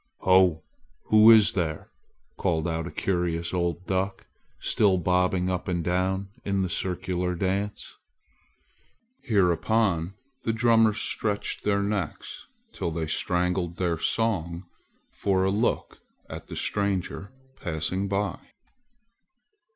"Ho! who is there?" called out a curious old duck, still bobbing up and down in the circular dance. Hereupon the drummers stretched their necks till they strangled their song for a look at the stranger passing by.